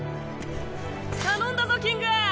頼んだぞキング！